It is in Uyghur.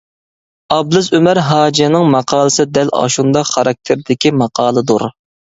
ئابلىز ئۆمەر ھاجىنىڭ ماقالىسى دەل ئاشۇنداق خاراكتېردىكى ماقالىدۇر.